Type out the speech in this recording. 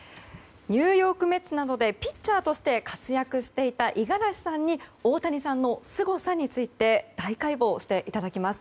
ニューヨーク・メッツなどでピッチャーとして活躍していた五十嵐さんに大谷さんのすごさについて大解剖していただきます。